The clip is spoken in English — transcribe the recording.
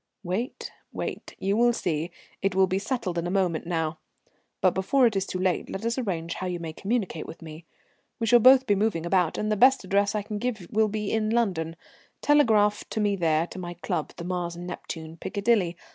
"Wait, wait. You will see. It will be settled in a moment now. But before it is too late let us arrange how you may communicate with me. We shall both be moving about, and the best address I can give will be in London. Telegraph to me there to my club, the Mars and Neptune, Piccadilly.